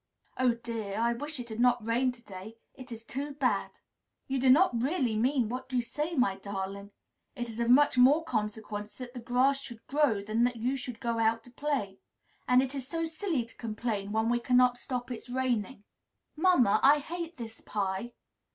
"Oh, dear! I wish it had not rained to day. It is too bad!" "You do not really mean what you say, my darling. It is of much more consequence that the grass should grow than that you should go out to play. And it is so silly to complain, when we cannot stop its raining." "Mamma, I hate this pie."